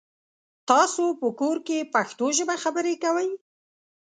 تاسو په کور کې پښتو ژبه خبري کوی؟